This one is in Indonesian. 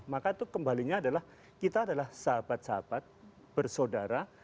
maka itu kembalinya adalah kita adalah sahabat sahabat bersaudara